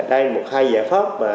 đây là một hai giải pháp